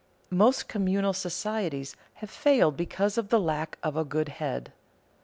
Most communal societies have failed because of the lack of a good head.